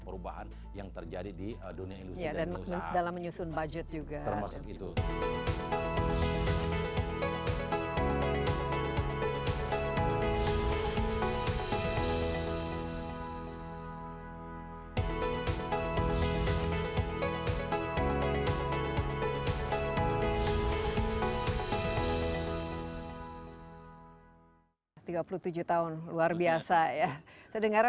perubahan yang terjadi di dunia